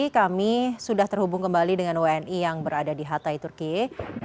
kami sudah terhubung kembali dengan wni yang berada di hatay turkiye